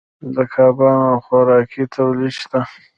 د کبانو د خوراکې تولید شته